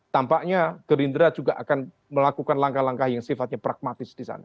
tampaknya gerindra juga akan melakukan langkah langkah yang sifatnya pragmatis di sana